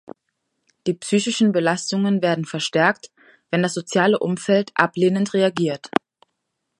Die psychischen Belastungen werden verstärkt, wenn das soziale Umfeld ablehnend reagiert.